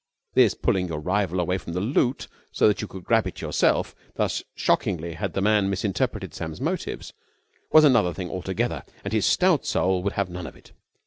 This pulling your rival away from the loot so that you could grab it yourself thus shockingly had the man misinterpreted Sam's motives was another thing altogether and his stout soul would have none of it.